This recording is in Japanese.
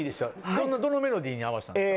どのメロディーに合わしたんですか。